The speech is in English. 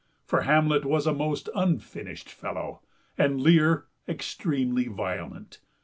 For Hamlet was a most unfinished fellow, and Lear extremely violent.